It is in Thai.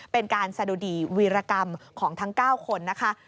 เป็นการสะดุดีวีรกรรมของทั้ง๙คนนะคะ